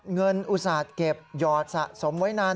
เงินอุตสาธิตเก็บยอดสะสมไว้นาน